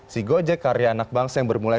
si gojek karya anak bangsa yang bermula